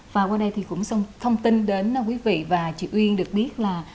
và qua đây thì cũng thông tin đến quý vị và chị uyên được biết là